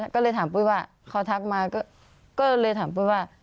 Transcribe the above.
ก็เลยถามปุ้ยว่าเขาทักมาก็เลยถามปุ้ยว่า